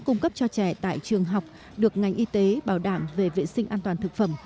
cung cấp cho trẻ tại trường học được ngành y tế bảo đảm về vệ sinh an toàn thực phẩm